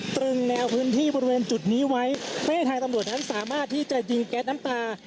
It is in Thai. ตรึงแนวพื้นที่บริเวณจุดนี้ไว้เพื่อให้ทางตำรวจนั้นสามารถที่จะยิงแก๊สน้ำตา